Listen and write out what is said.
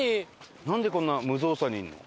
なんでこんな無造作にいるの？